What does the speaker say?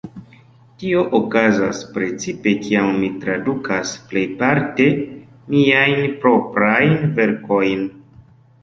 Tio okazas precipe kiam mi tradukas, plejparte miajn proprajn verkojn.